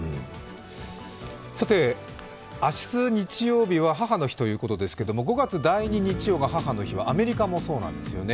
明日、日曜日は母の日ということですけども、５月、第２日曜が母の日はアメリカもそうなんですよね。